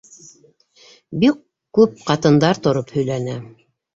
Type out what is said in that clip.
Бик күп ҡатындар тороп һөйләне.